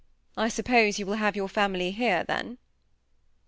I suppose you will have your &mily here then."